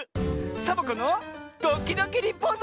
「サボ子のドキドキリポート」